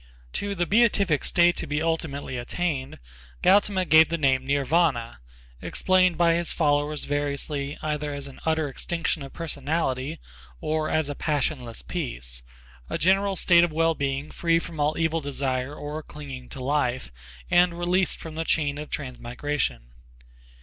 To the beatific state to be ultimately attained Gautama gave the name Nirvana, explained by his followers variously either as an utter extinction of personality or as a passionless peace, a general state of well being free from all evil desire or clinging to life and released from the chain of transmigration.